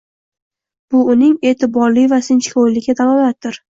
bu uning e’tiborli va sinchkovligiga dalolatdir